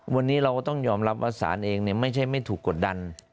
วันนี้เราก็ต้องยอมรับว่าสารเองไม่ใช่ไม่ถูกกดดัน